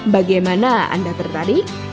bagaimana anda tertarik